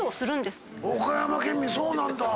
岡山県民そうなんだ。